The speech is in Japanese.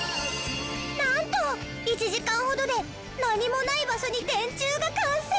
なんと１時間ほどで何もない場所に電柱が完成！